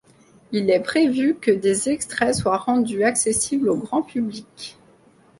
Il est prévu que des extraits soient rendus accessibles au grand public.